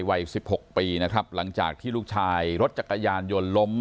วัยสิบหกปีนะครับหลังจากที่ลูกชายรถจักรยานยนต์ล้ม